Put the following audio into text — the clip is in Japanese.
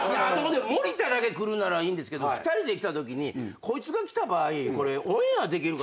森田だけ来るならいいんですけど２人で来たときにこいつが来た場合これ。